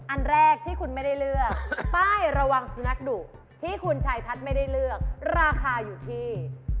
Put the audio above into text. อันแรกที่คุณไม่ได้เลือกป้ายระวังสุนัขดุที่คุณชายทัศน์ไม่ได้เลือกราคาอยู่ที่